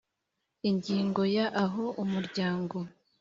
Ingingo ya aho umuryango